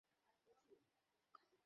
ড্রাইভটা নিয়ে কোন কোন দিক দিয়ে গেছে।